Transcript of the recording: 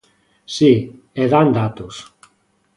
Si, e dan datos.